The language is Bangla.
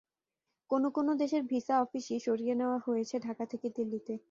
কোনো কোনো দেশের ভিসা অফিসই সরিয়ে নেওয়া হয়েছে ঢাকা থেকে দিল্লিতে।